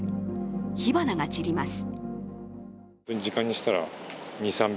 火花が散ります。